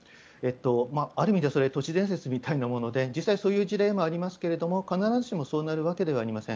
ある意味ではそれは都市伝説みたいなもので実際、そういう事例もありますけれども必ずしもそうなるわけではありません。